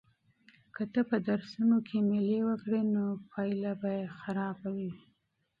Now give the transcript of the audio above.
که ته په درسونو کې مېله وکړې نو نتیجه به دې خرابه وي.